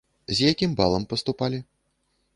З якім балам паступалі?